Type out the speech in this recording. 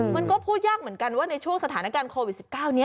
มันก็พูดยากเหมือนกันว่าในช่วงสถานการณ์โควิด๑๙นี้